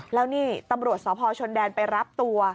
แล้วนี่ตำรวจสพชนแดนไปรับตัว